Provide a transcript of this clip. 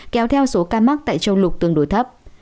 kéo theo số ca mắc tại châu lục tương đối thấp